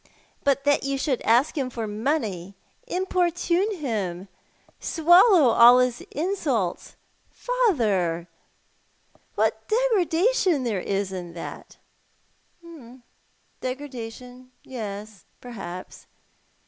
" But that you should ask him for money — importune him — swallow all his insults. Father, what degradation there is in that." " Degradation, yes, perhaps.